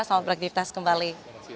selamat beraktifitas kembali